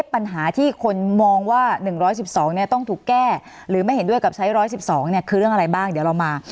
ปัญหาที่คนมองว่า๑๑๒ต้องถูกแก้หรือไม่เห็นด้วยกับใช้๑๑๒คือเรื่องอะไรบ้างเดี๋ยวเรามา